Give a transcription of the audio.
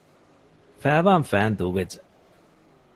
ފައިވާން ފައިން ދޫވެއްޖެ